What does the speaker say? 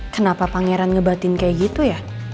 kenapa pangeran ngebatin kayak gitu ya